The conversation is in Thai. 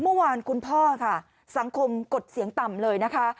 เมื่อวานคุณพ่อค่ะสังคมกดเสียงต่ำเลยนะคะ